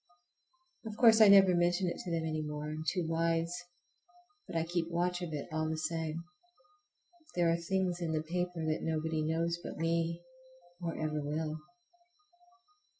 Of course I never mention it to them any more,—I am too wise,—but I keep watch of it all the same. There are things in that paper that nobody knows but me, or ever will.